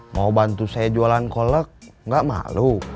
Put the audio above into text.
mau bantu saya jualan kolak gak malu